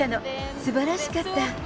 すばらしかった。